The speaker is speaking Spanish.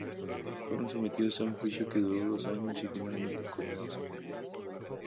Fueron sometidos a un juicio que duró dos años, y finalmente condenados a muerte.